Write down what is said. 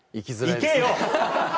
行けよ！